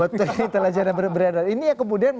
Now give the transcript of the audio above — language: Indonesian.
betul intelijen yang beredar ini ya kemudian